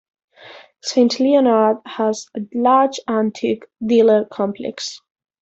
Saint Leonard has a large antique dealer complex.